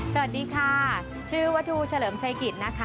สวัสดีค่ะชื่อวัฒนูเฉลิมชัยกิจนะคะ